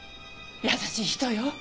優しい人よ。